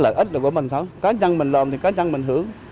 lợi ích là của mình thôi cá nhân mình làm thì cá nhân mình hưởng